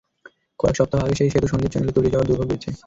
কয়েক সপ্তাহ আগে সেই সেতু সন্দ্বীপ চ্যানেলে তলিয়ে যাওয়ায় দুর্ভোগ বেড়েছে।